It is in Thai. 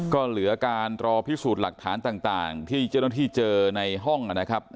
ก็เหลือการรอพิสูจน์หลักฐานต่างที่เจ้าหน้าที่เจอในห้องนะครับ